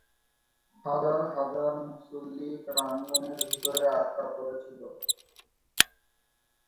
হাজার হাজার মুসল্লি প্রাঙ্গণের ভিতরে আটকা পড়েছিল।